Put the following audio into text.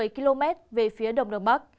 một trăm một mươi km về phía đồng đồng bắc